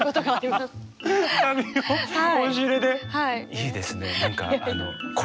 いいですね。